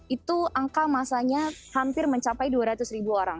itu angka masanya hampir mencapai dua ratus ribu orang